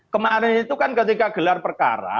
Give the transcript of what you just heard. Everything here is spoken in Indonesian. kemarin itu kan ketika gelar perkara